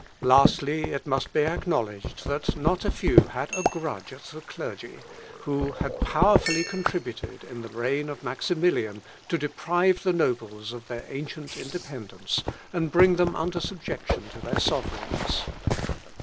Lastly, it must be acknowledged, that not a few had a grudge at the clergy, who had powerfully contributed in the reign of Maximilian, to deprive the nobles of their ancient independence, and bring them under subjection to their sovereigns.